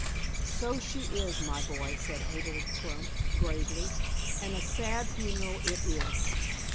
"So she is, my boy," said Abel Crump, gravely, "and a sad funeral it is."